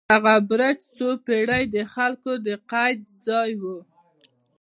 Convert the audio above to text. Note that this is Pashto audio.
دغه برج څو پېړۍ د خلکو د قید ځای و.